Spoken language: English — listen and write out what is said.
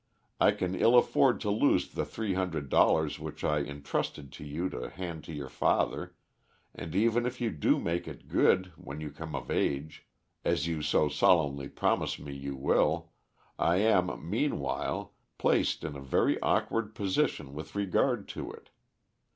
I can ill afford to lose the three hundred dollars which I intrusted to you to hand to your father, and even if you do make it good when you come of age, as you so solemnly promise me you will, I am, meanwhile, placed in a very awkward position with regard to it.